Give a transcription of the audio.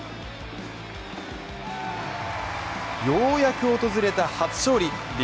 ようやく訪れた初勝利。